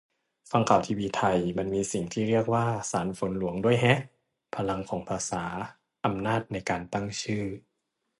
ฟังข่าวทีวีไทย มันมีสิ่งที่เรียกว่า 'สารฝนหลวง' ด้วยแฮะ - พลังของภาษา อำนาจในการตั้งชื่อ